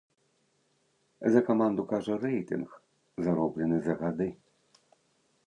За каманду кажа рэйтынг, зароблены за гады.